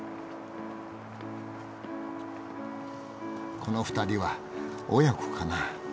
この２人は親子かなあ。